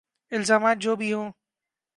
الزامات جو بھی ہوں۔